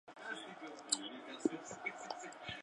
Las partes inferiores más bajas son de color amarillo anaranjado.